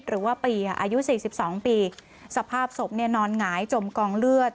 หรือว่าปีค่ะอายุสี่สิบสองปีสภาพศพเนี่ยนอนหงายจมกองเลือด